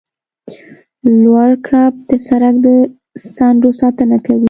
لوړ کرب د سرک د څنډو ساتنه کوي